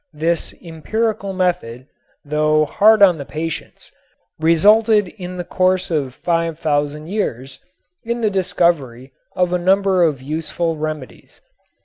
This empirical method, though hard on the patients, resulted in the course of five thousand years in the discovery of a number of useful remedies.